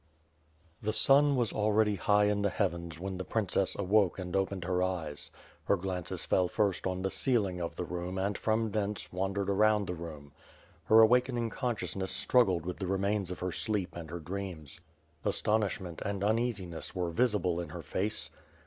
The sun was already high in the heavens when the prin cess awoke and opened her eyes. Her glances fell first on the ceiling of the room and from thence wandered around the room. Her awakening consciousness struggled with the remains of her sleep and her dreams. Astonishment and uneasiness were visible in her face.